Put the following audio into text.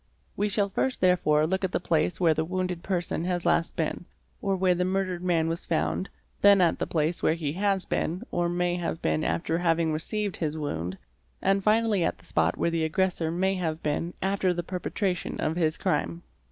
We shall first therefore look at the place where the wounded person has last been, or where the murdered man was found, then at the place where he has been or may _ have been after having received his wound, and finally at the spot where the aggressor may have been after the perpetration of his crime.